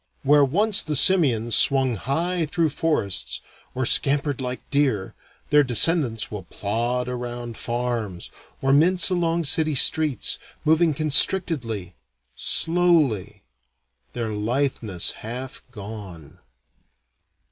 Where once the simians swung high through forests, or scampered like deer, their descendants will plod around farms, or mince along city streets, moving constrictedly, slowly, their litheness half gone.